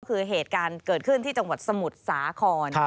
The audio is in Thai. คือเหตุการณ์เกิดขึ้นที่จังหวัดสมุทรสาคร